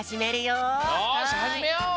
よしはじめよう！